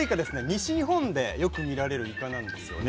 西日本でよく見られるイカなんですよね。